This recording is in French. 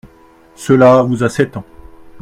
Cela vous a sept ans.